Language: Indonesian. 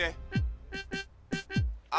eh mut ya